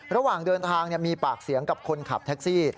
ระหว่างเดินทางมีปากเสียงกับคนขับแท็กซี่